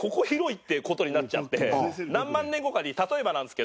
何万年後かに例えばなんですけど。